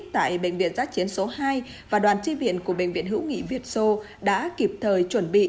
tại bệnh viện giã chiến số hai và đoàn tri viện của bệnh viện hữu nghị việt sô đã kịp thời chuẩn bị